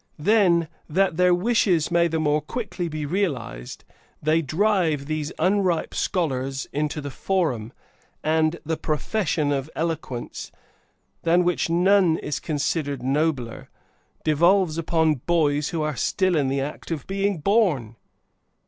Then, that their wishes may the more quickly be realized, they drive these unripe scholars into the forum, and the profession of eloquence, than which none is considered nobler, devolves upon boys who are still in the act of being born!